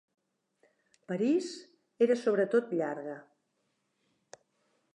"París" era sobretot llarga.